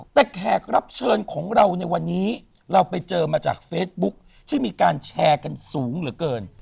แต่แขกรับเชิญของเราในวันนี้เราไปเจอมาจากเฟซบุ๊คที่มีการแชร์กันสูงเหลือเกิน